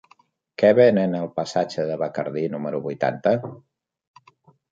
Què venen al passatge de Bacardí número vuitanta?